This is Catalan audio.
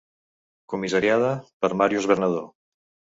Comissariada per Màrius Bernadó.